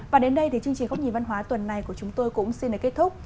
và đến đây thì chương trình khóc nhìn văn hóa tuần này của chúng tôi cũng xin kết thúc